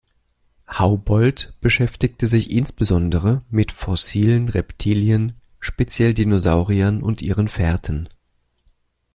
Haubold beschäftigte sich insbesondere mit fossilen Reptilien, speziell Dinosauriern und ihren Fährten.